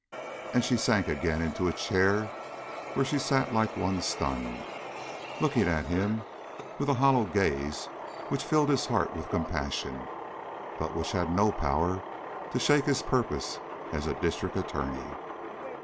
And she sank again into a chair, where she sat like one stunned, looking at him with a hollow gaze which filled his heart with compassion, but which had no power to shake his purpose as a District Attorney.